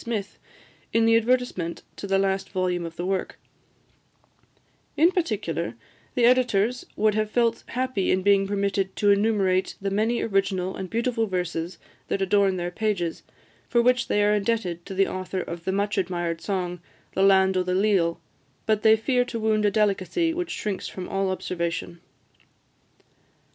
Smith, in the advertisement to the last volume of the work: "In particular, the editors would have felt happy in being permitted to enumerate the many original and beautiful verses that adorn their pages, for which they are indebted to the author of the much admired song, 'The Land o' the Leal;' but they fear to wound a delicacy which shrinks from all observation."